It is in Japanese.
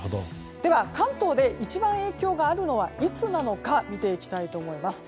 では、関東で一番影響があるのはいつなのか見ていきたいと思います。